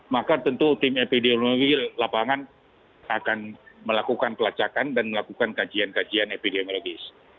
maka tentu tim epidemiologi lapangan akan melakukan pelacakan dan melakukan kajian kajian epidemiologis